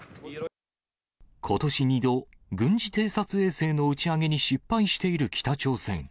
ことし２度、軍事偵察衛星の打ち上げに失敗している北朝鮮。